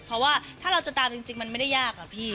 เพราะว่าถ้าเราจะตามจริงมันไม่ได้ยากอะพี่